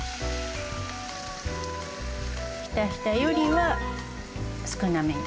ひたひたよりは少なめに。